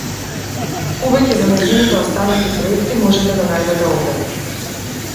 Повеќе за нејзините останати проекти можете да најдете овде.